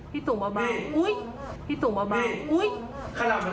พี่สูงมาเบาพี่สูงมาเบาโอ๊ยขนาดมันแอบอยู่นี่